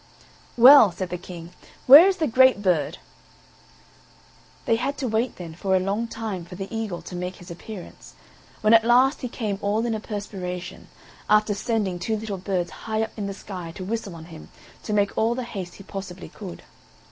"Well," said the King, "where is the great bird?" They had to wait then for a long time for the eagle to make his appearance, when at last he came all in a perspiration, after sending two little birds high up in the sky to whistle on him to make all the haste he possibly could.